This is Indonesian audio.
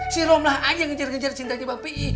si romlah aja yang ngejar ngejar cinta bang p i